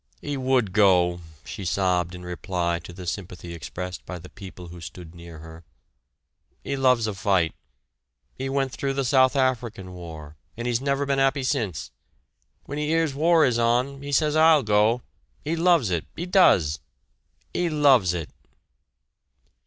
"'E would go!" she sobbed in reply to the sympathy expressed by the people who stood near her, "'E loves a fight 'e went through the South African War, and 'e's never been 'appy since when 'e 'ears war is on he says I'll go 'e loves it 'e does!" '"E loves it!"